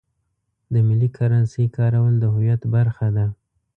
د ملي کرنسۍ کارول د هویت برخه ده.